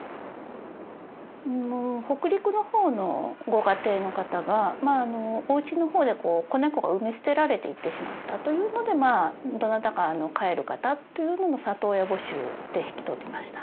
北陸の方のご家庭の方がおうちの方で子猫が産み捨てられていってしまったというのでまあどなたか飼える方という里親募集で引き取りました。